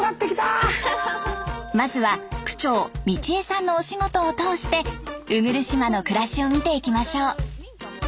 まずは区長美千枝さんのお仕事を通して鵜来島の暮らしを見ていきましょう。